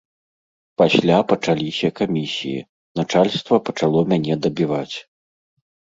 Пасля пачаліся камісіі, начальства пачало мяне дабіваць.